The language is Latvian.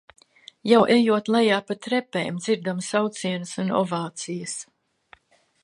Jau ejot lejā pa trepēm dzirdam saucienus un ovācijas.